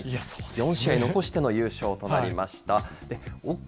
４試合残しての優勝となりました。